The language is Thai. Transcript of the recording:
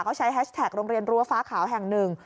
เขาใช้แฮชแท็กโรงเรียนรั้วฟ้าขาวแห่งหนึ่ง